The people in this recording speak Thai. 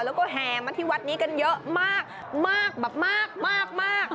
แล้วก็แห่มาที่วัดนี้กันเยอะมากมากแบบมากมาก